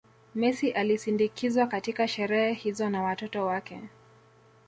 Messi alisindikizwa katika sherehe hizo na watoto wake